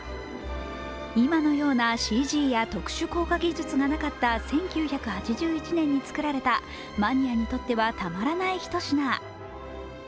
今のようなＣＧや特殊効果技術がなかった１９８１年に作られたマニアにとってはたまらないひと品。